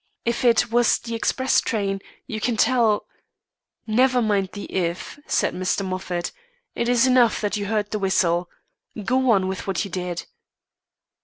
If it was the express train, you can tell " "Never mind the if" said Mr. Moffat. "It is enough that you heard the whistle. Go on with what you did."